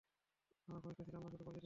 আমরা ঘনিষ্ঠ ছিলাম না, শুধু পরিচিত ছিলাম।